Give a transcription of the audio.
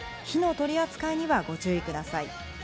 火の取り扱いにはご注意ください。